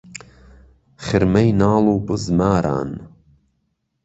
خرمەی ناڵ و بزماران